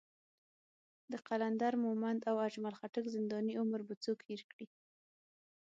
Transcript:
د قلندر مومند او اجمل خټک زنداني عمر به څوک هېر کړي.